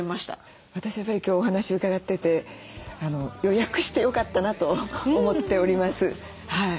私やっぱり今日お話伺ってて予約してよかったなと思っております。